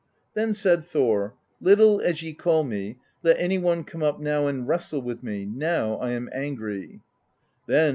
"Then said Thor: 'Little as ye call me, let any one come up now and wrestle with me; now I am angry.'